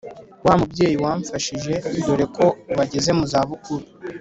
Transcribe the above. wa mubyeyi wamfashije doreko ubu ageze muzabukuru